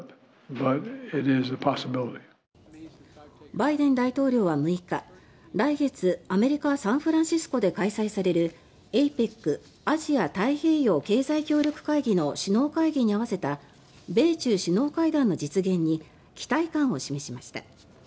バイデン大統領は６日来月アメリカ・サンフランシスコで開催されるＡＰＥＣ・アジア太平洋経済協力会議の首脳会議に合わせた米中首脳会談の実現に期待感を示しました。